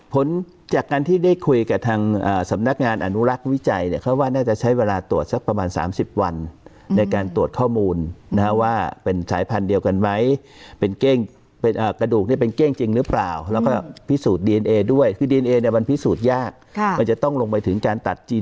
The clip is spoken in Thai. ผลจากการที่ได้คุยกับทางสำนักงานอนุรักษ์วิจัยเนี่ยเขาว่าน่าจะใช้เวลาตรวจสักประมาณ๓๐วันในการตรวจข้อมูลนะฮะว่าเป็นสายพันธุ์เดียวกันไหมเป็นเก้งเป็นกระดูกเนี่ยเป็นเก้งจริงหรือเปล่าแล้วก็พิสูจน์ดีเอนเอด้วยคือดีเอเนี่ยมันพิสูจน์ยากมันจะต้องลงไปถึงการตัดจีน